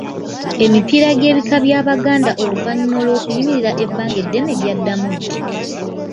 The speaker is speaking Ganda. Emipiira gy'ebika bya Baganda oluvannyuma lw’okuyimirira ebbanga eddene gyaddamu ddi?